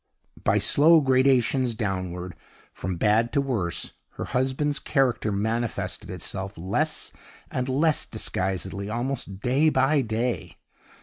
By slow gradations downward, from bad to worse, her husband's character manifested itself less and less disguisedly almost day by day.